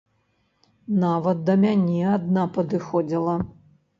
Нават да мяне адна падыходзіла.